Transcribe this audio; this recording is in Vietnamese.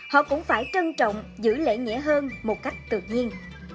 họ cũng phải trân trọng giữ lễ nghĩa hơn một cách tự nhiên